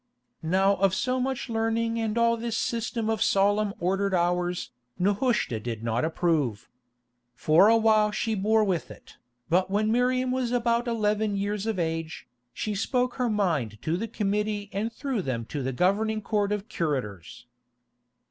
Now of so much learning and all this system of solemn ordered hours, Nehushta did not approve. For a while she bore with it, but when Miriam was about eleven years of age, she spoke her mind to the Committee and through them to the governing Court of Curators.